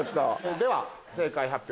では正解発表